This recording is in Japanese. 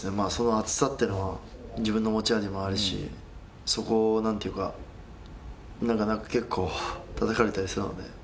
熱さっていうのは自分の持ち味でもあるしそこをなんていうかなんか結構たたかれたりするので。